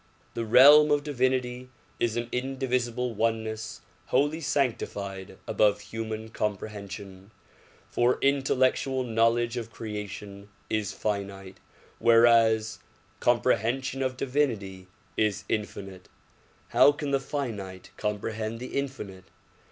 The realm of divinity is an indivisible oneness wholly sancti fied above human comprehension; for intellectual knowledge of creation is finite w^hereas comprehension of divinity is infinite. How can the finite comprehend the infinite